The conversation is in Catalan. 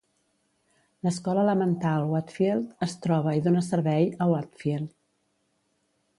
L'escola elemental Wheatfield es troba i dona servei a Wheatfield.